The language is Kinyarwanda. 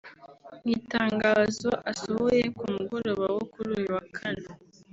Mu itangazo asohoye ku mugoroba wo kuri uyu wa kane